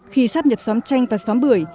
khi sáp nhập xóm chanh và xóm bưởi